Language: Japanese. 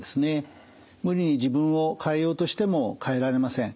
無理に自分を変えようとしても変えられません。